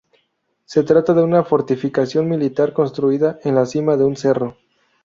Se trataba de una fortificación militar construida en la cima de un cerro.